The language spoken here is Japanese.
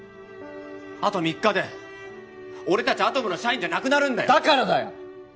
あと３日で俺達アトムの社員じゃなくなるんだよだからだよ！